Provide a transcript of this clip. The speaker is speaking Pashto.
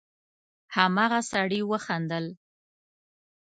هماغه سړي وخندل: